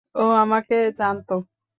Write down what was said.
ও আমাকে জানতো।